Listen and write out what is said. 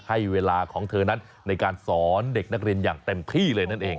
ให้เวลาของเธอนั้นในการสอนเด็กนักเรียนอย่างเต็มที่เลยนั่นเอง